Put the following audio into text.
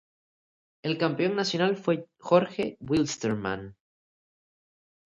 El Campeón Nacional fue Jorge Wilstermann.